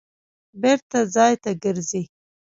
بېرته ځای ته ګرځي.